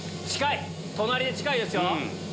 隣で近いですよ。